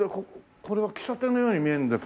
これは喫茶店のように見えるんですけど。